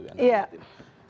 baik bagaimana mbak wi